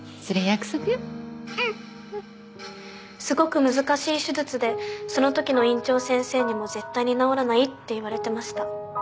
すごく難しい手術でその時の院長先生にも絶対に治らないって言われてました。